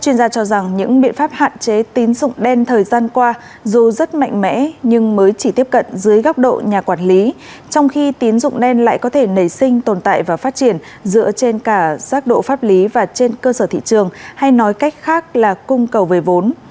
chuyên gia cho rằng những biện pháp hạn chế tín dụng đen thời gian qua dù rất mạnh mẽ nhưng mới chỉ tiếp cận dưới góc độ nhà quản lý trong khi tín dụng đen lại có thể nảy sinh tồn tại và phát triển dựa trên cả giác độ pháp lý và trên cơ sở thị trường hay nói cách khác là cung cầu về vốn